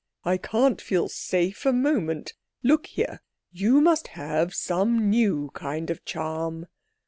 I can't feel safe a moment. Look here; you must have some new kind of charm."